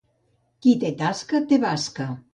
Qui té tasca, té basca.